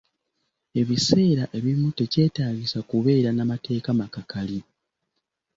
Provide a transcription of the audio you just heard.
Ebiseera ebimu tekyetaagisa kubeera na mateeka makakali.